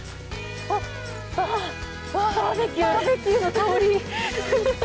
バーベキューの香り。